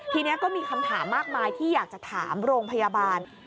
ทีนี้ก็มีคำถามมากมายที่อยากจะถามโรงพยาบาล